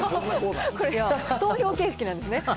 投票形式なんですね。